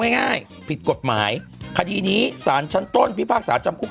ง่ายผิดกฎหมายคดีนี้สารชั้นต้นพิพากษาจำคุก